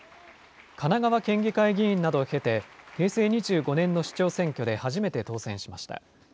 神奈川県議会議員などを経て、平成２５年の市長選挙で初めて当選しました。